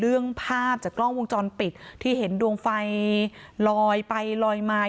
เรื่องภาพจากกล้องวงจรปิดที่เห็นดวงไฟลอยไปลอยมา